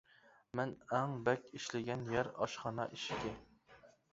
مەن ئەڭ بەك ئىشلىگەن يەر ئاشخانا ئىشىكى.